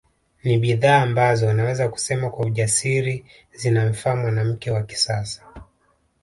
Ni bidhaa ambazo naweza kusema kwa ujasiri zinamfaa mwanamke wa kisasa